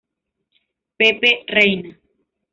Pepe Reina.